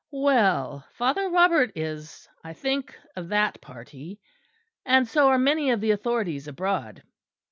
Well, Father Robert is, I think, of that party; and so are many of the authorities abroad.